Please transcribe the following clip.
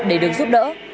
để được giúp đỡ